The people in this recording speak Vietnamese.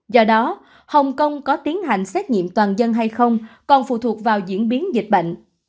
do đó hồng kông có tiến hành xét nghiệm toàn dân hay không còn phụ thuộc vào diễn biến dịch bệnh